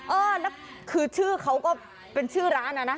เออแล้วคือชื่อเขาก็เป็นชื่อร้านนะนะ